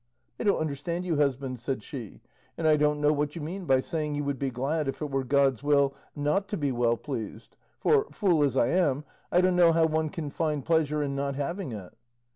"I don't understand you, husband," said she, "and I don't know what you mean by saying you would be glad, if it were God's will, not to be well pleased; for, fool as I am, I don't know how one can find pleasure in not having it."